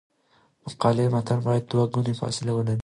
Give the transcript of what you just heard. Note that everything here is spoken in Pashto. د مقالې متن باید دوه ګونی فاصله ولري.